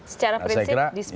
secara prinsip disepakati